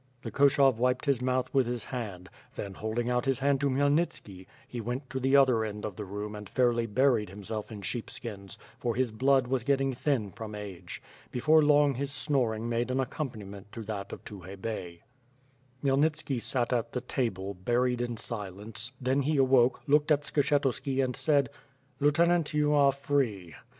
The Koshov wiped his mouth with his hand; then holding out his hand to Khmyelnitski, he went to the other end of the room and fairly buried himself in sheepskins, for his blood was getting thin from age. Before long his snoring made an accompaniment to thai of Tukhay Bey. 10 1^6 WITH FIRE AND SWORD. Khmyelnitski sat at the table, buried in silence; suddenly he awoke, looked at Skshetuski and said: ^'Lieutenant, you are free."